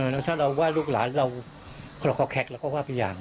แล้วถ้าเราว่าลูกหลานเราคอแคทเราก็ว่าไปอย่าง